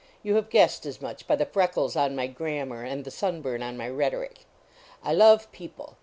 You have guessed as much by the freckles on my grammar and the sunburn on my rhetoric. I love people.